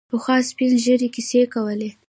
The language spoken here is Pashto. پخوا سپین ږیرو کیسې کولې.